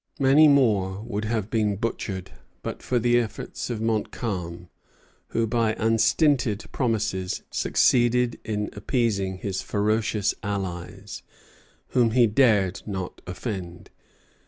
Many more would have been butchered, but for the efforts of Montcalm, who by unstinted promises succeeded in appeasing his ferocious allies, whom he dared not offend.